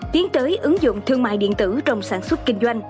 tiến tới ứng dụng thương mại điện tử trong sản xuất kinh doanh